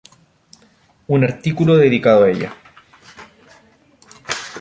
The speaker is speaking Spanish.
Un artículo dedicado a ella.